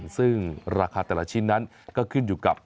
ซึ่งราคาแต่ละชิ้นนั้นก็ขึ้นอยู่กับ